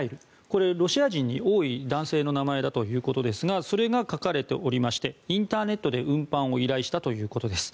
これはロシア人に多い男性の名前だということですがそれが書かれておりましてインターネットで運搬を依頼したということです。